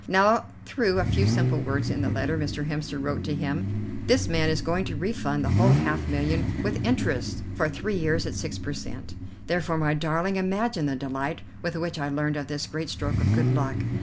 Now, through a few simple words in the letter Mr. Hemster wrote to him, this man is going to refund the whole half million, with interest for three years at six per cent. Therefore, my darling, imagine the delight with which I learned of this great stroke of good luck.